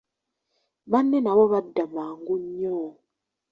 Banne nabo badda mangu nnyo.